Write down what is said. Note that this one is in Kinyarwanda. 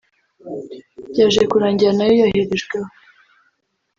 Byaje kurangira nayo yoherejweyo